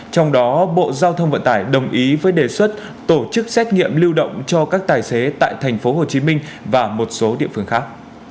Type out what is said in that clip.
trong đó bộ giao thông vận tải đồng ý với đề xuất tổ chức xét nghiệm lưu động cho các tài xế tại tp hcm và một số địa phương khác